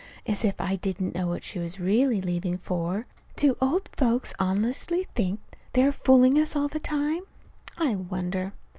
As if I didn't know what she was really leaving for! Do old folks honestly think they are fooling us all the time, I wonder?